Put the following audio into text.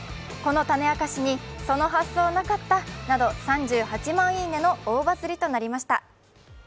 この種明かしに、その発想なかったなど３８万いいねの大バズりとなりました。